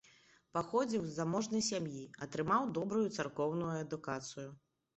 Паходзіў з заможнай сям'і, атрымаў добрую царкоўную адукацыю.